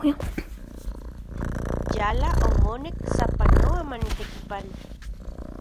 Yala omonek sapanoa manitekipano.